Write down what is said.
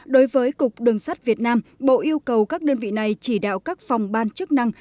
đối với cục đường sắt việt nam bộ yêu cầu các đơn vị này chỉ đạo các phòng ban chức năng